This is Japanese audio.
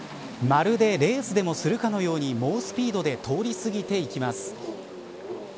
まるでレースでもするかのように猛スピードで通り過ぎていきます。